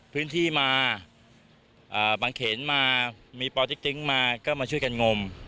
พื้นที่มาเอ่อบางเข็นมามีมาก็มาช่วยกันงม